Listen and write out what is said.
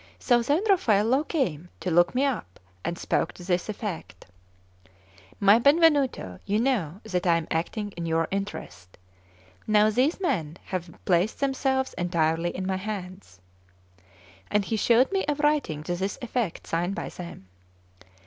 So then Raffaello came to look me up, and spoke to this effect: "My Benvenuto, you know that I am acting in your interest. Now these men have placed themselves entirely in my hands;" and he showed me a writing to this effect signed by them.